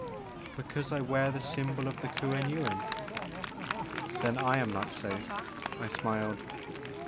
Because I wear the symbol ot the Kuen Yuin." " Then I am not safe," I smiled.